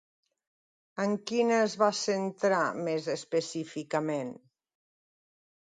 En quina es va centrar més específicament?